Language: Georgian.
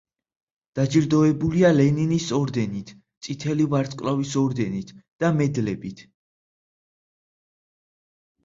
დაჯილდოებულია ლენინის ორდენით, წითელი ვარსკვლავის ორდენით და მედლებით.